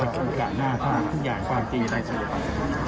ตรงนี้อยากเข้าใจผมคิดมีอะไร